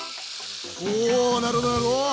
おなるほどなるほどおお。